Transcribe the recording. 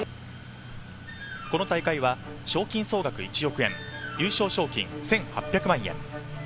この大会は賞金総額１億円、優勝賞金１８００万円。